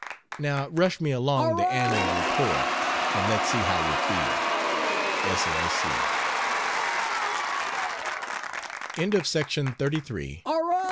Now rush me along the Annual Report and let's see how we feel! S. L.